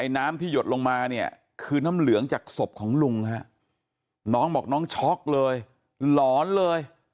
น้ำที่หยดลงมาเนี่ยคือน้ำเหลืองจากศพของลุงฮะน้องบอกน้องช็อกเลยหลอนเลย